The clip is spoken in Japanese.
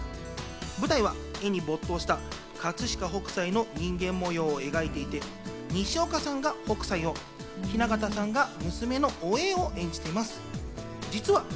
舞台は絵に没頭した、葛飾北斎の人間模様を描いていて、西岡さんが北斎を、雛形さんが娘のお栄を演じています。